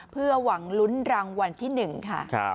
เพื่อหวังลุ้นรางวัลที่๑ค่ะ